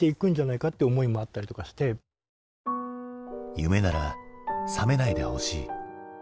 夢なら覚めないでほしい。